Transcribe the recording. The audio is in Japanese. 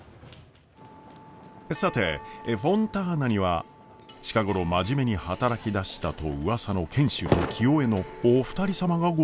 さてフォンターナには近頃真面目に働きだしたとうわさの賢秀と清恵のお二人様がご来店！